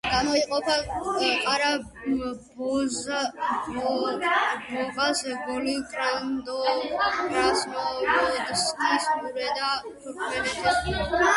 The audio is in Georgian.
გამოიყოფა ყარა-ბოღაზ-გოლი, კრასნოვოდსკის ყურე და თურქმენეთის ყურე.